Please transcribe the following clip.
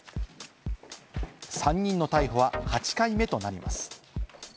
３人の逮捕は８回目となります。